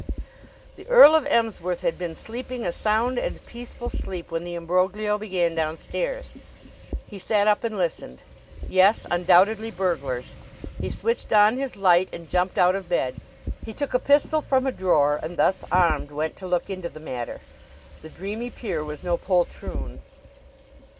The Earl of Emsworth had been sleeping a sound and peaceful sleep when the imbroglio began downstairs. He sat up and listened. Yes; undoubtedly burglars! He switched on his light and jumped out of bed. He took a pistol from a drawer, and thus armed went to look into the matter. The dreamy peer was no poltroon.